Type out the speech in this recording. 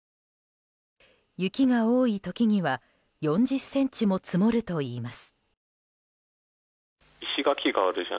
雪が多い時には４０ｃｍも積もるといいます。